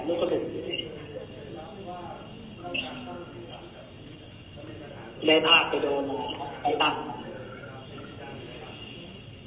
แต่รู้สึกว่าเรนอาจจะโดนไฟตังค์